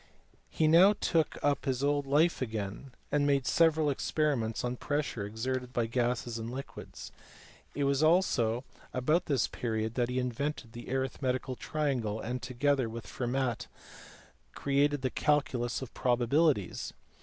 He now 284 MATHEMATICS FROM DESCARTES TO HUYGENS. took up his old life again, and made several experiments on the pressure exerted by gases and liquids : it was also about this period that he invented the arithmetical triangle, and together with Fermat created the calculus of probabilities.